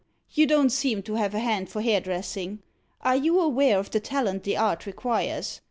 You don't seem to have a hand for hairdressing. Are you aware of the talent the art requires?